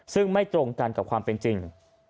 ซึ่งไม่ตรงกันกับความเป็นจริง